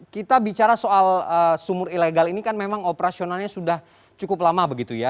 kita bicara soal sumur ilegal ini kan memang operasionalnya sudah cukup lama begitu ya